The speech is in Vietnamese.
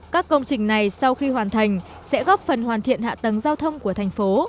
các công trình này sau khi hoàn thành sẽ góp phần hoàn thiện hạ tầng giao thông của thành phố